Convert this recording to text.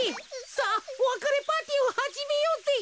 さあおわかれパーティーをはじめようぜ。